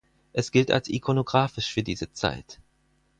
Es gilt als Ikonographisch für diese Zeit.